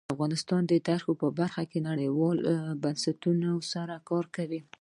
افغانستان د دښتې په برخه کې نړیوالو بنسټونو سره کار کوي.